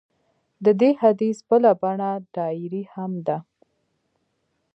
د دې حدیث بله بڼه ډایري هم ده.